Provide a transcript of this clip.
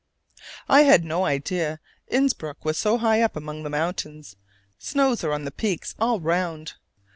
I had no idea Innsbruck was so high up among the mountains: snows are on the peaks all around.